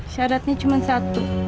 syaratnya cuma satu